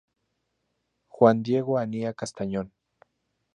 Juan Diego Ania Castañón.